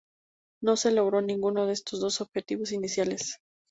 No se logró ninguno de estos dos objetivos iniciales.